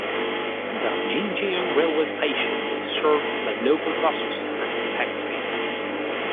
The Jinjiang Railway Station is served by local buses and taxi.